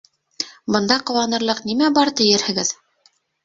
Бында ҡыуанырлыҡ нимә бар тиерһегеҙ?